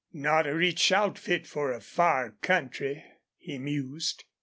"Not a rich outfit for a far country," he mused.